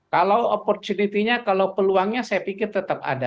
kalau opportunity nya kalau peluangnya saya pikir tetap ada